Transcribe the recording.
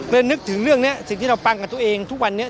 นึกถึงเรื่องนี้สิ่งที่เราปังกับตัวเองทุกวันนี้